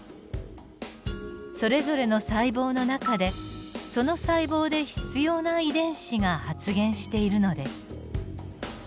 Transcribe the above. それぞれの細胞の中でその細胞で必要な遺伝子が発現しているのです。